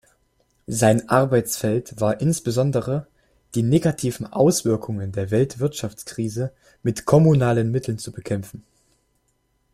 Sein Arbeitsfeld war insbesondere, die negativen Auswirkungen der Weltwirtschaftskrise mit kommunalen Mitteln zu bekämpfen.